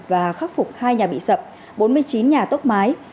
và khắc phục hai nhà bị sập bốn mươi chín nhà tốc mái